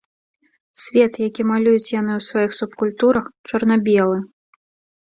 Свет, які малююць яны ў сваіх субкультурах, чорна-белы.